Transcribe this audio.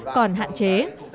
còn hạn chế